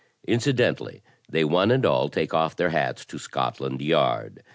Incidentally, they one and all take off their hats to Scotland Yard.